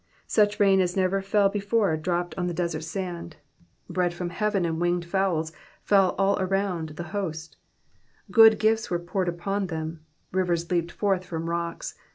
Such rain as never fell before dropped on the desert sand, bread from heaven and winged fowl fell all around the host ; good gifts were poured upon them, rivers leaped forth from rocks.